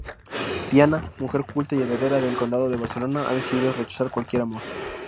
Diana, mujer culta y heredera del condado de Barcelona, ha decidido rechazar cualquier amor.